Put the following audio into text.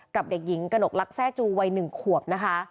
กับเด็กหญิงกระหนกลักษร่จูวัย๑ขวบนะคะ